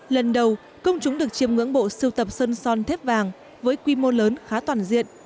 lần đầu công chúng được chiêm ngưỡng bộ siêu tập sơn son thép vàng với quy mô lớn khá toàn diện